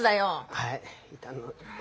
はい。